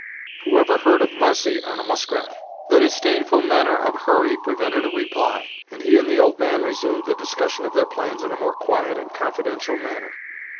Who ever heard of marcy on a muskrat!" The disdainful manner of Hurry prevented a reply, and he and the old man resumed the discussion of their plans in a more quiet and confidential manner.